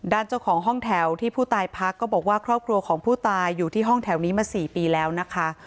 เจ้าของห้องแถวที่ผู้ตายพักก็บอกว่าครอบครัวของผู้ตายอยู่ที่ห้องแถวนี้มา๔ปีแล้วนะคะ